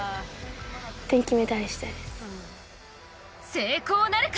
成功なるか？